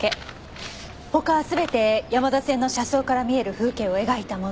他は全て山田線の車窓から見える風景を描いたもの。